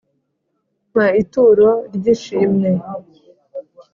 mpa ituro ry’ishimwe